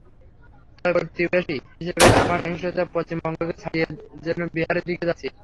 তবে প্রতিবেশী হিসেবে আমরা সহিংসতায় পশ্চিমবঙ্গকে ছাড়িয়ে যেন বিহারের দিকে যাচ্ছি।